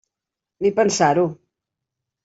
Ni pensar-ho.